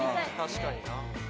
確かにな。